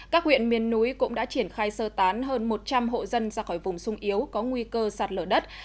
các huyện miền núi cũng đã triển khai sơ tán hơn một trăm linh hộ dân ra khỏi vùng sung yếu có nguy cơ sạt lở đất